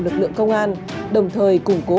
lực lượng công an đồng thời củng cố